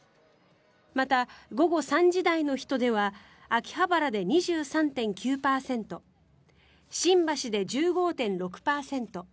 また、午後３時台の人出は秋葉原で２３．９％新橋で１５．６％